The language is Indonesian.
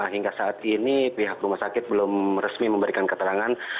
hingga saat ini pihak rumah sakit belum resmi memberikan keterangan